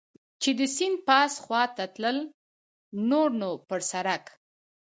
چې د سیند پاس خوا ته تلل، نور نو پر سړک.